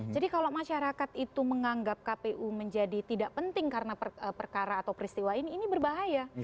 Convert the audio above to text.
jadi kalau masyarakat itu menganggap kpu menjadi tidak penting karena perkara atau peristiwa ini ini berbahaya